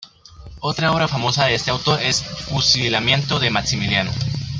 Otra obra famosa de este autor es "Fusilamiento de Maximiliano".